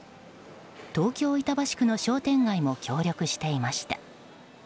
東京・板橋区の商店街も協力していました。